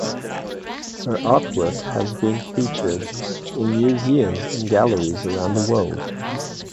Her artwork has been featured in museums and galleries around the world.